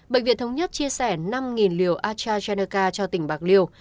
bệnh viện thống nhất chia sẻ năm liều astrazeneca cho tỉnh bạc liêu